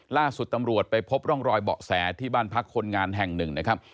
ล่าสุดตำรวจไปพบร่องรอยเบาะแสที่บ้านพักคนงานแห่งหนึ่งนะครับ